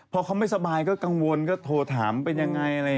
พอเขาไม่สบายก็กังวลก็โทรถามเป็นยังไง